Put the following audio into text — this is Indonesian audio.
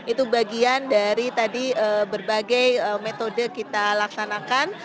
itu bagian dari tadi berbagai metode kita laksanakan